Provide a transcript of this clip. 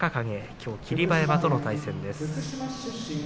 きょうは霧馬山との対戦です。